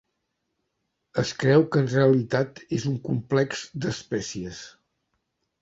Es creu que en realitat és un complex d'espècies.